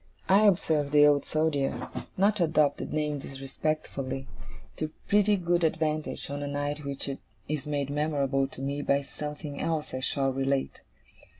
I observed the Old Soldier not to adopt the name disrespectfully to pretty good advantage, on a night which is made memorable to me by something else I shall relate.